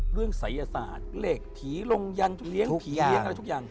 เรื่องศัยศาสตร์เหลกผีร่งยันตูเหลี้ยงผีอะไรทุกอย่าง